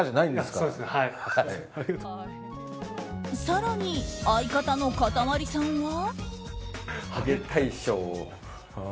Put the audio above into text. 更に、相方のかたまりさんは。